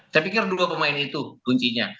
saya pikir dua pemain itu kuncinya